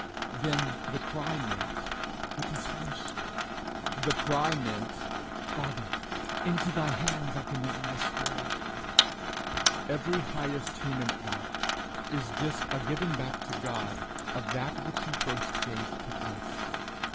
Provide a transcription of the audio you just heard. Then the cry meant, It is finished; the cry meant, Father, into thy hands I commend my spirit. Every highest human act is just a giving back to God of that which he first gave to us.